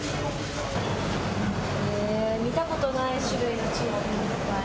見たことない種類のチーズがいっぱい。